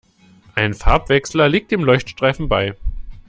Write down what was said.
Ein Farbwechsler liegt dem Leuchtstreifen bei.